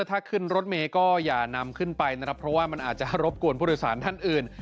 ถ้าขึ้นรถเมย์ก็อย่านำขึ้นไปนะครับเพราะว่ามันอาจจะรบกวนผู้โดยสารท่านอื่น